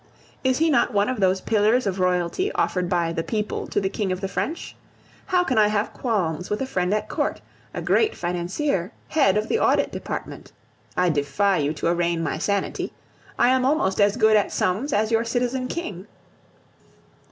Is he not one of those pillars of royalty offered by the "people" to the King of the French? How can I have qualms with a friend at Court, a great financier, head of the Audit Department? I defy you to arraign my sanity! I am almost as good at sums as your citizen king.